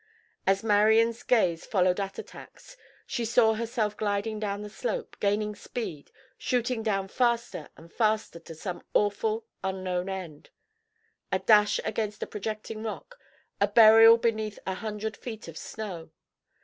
As Marian's gaze followed Attatak's she saw herself gliding down the slope, gaining speed, shooting down faster and faster to some awful, unknown end; a dash against a projecting rock; a burial beneath a hundred feet of snow.